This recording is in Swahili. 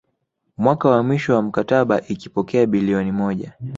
Mwaka wa mwisho wa mkataba ikipokea bilioni moja